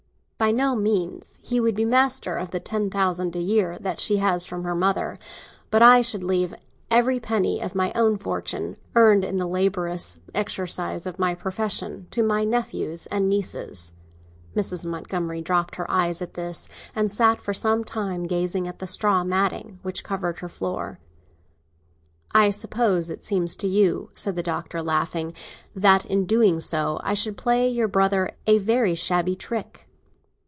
By no means. He would be master of the ten thousand a year that she has from her mother; but I should leave every penny of my own fortune, earned in the laborious exercise of my profession, to public institutions." Mrs. Montgomery dropped her eyes at this, and sat for some time gazing at the straw matting which covered her floor. "I suppose it seems to you," said the Doctor, laughing, "that in so doing I should play your brother a very shabby trick."